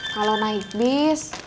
kalau naik bis